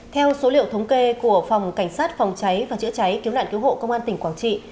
theo số liệu thống kê của phòng cảnh sát phòng cháy và chữa cháy cứu nạn cứu hộ công an tỉnh quảng trị